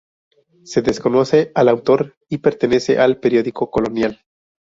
Se desconoce al autor y pertenece al periodo colonial.